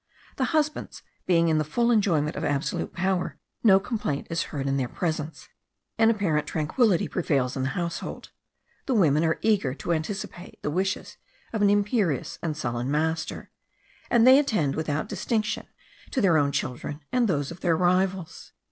The husbands being in the full enjoyment of absolute power, no complaint is heard in their presence. An apparent tranquillity prevails in the household; the women are eager to anticipate the wishes of an imperious and sullen master; and they attend without distinction to their own children and those of their rivals.